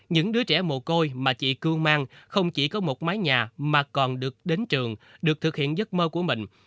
những đứa trẻ mồ côi mà chị cưu mang không chỉ có một mái nhà mà còn được đến trường được thực hiện giấc mơ của mình